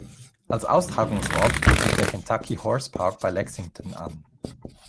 Als Austragungsort bot sich der Kentucky Horse Park bei Lexington an.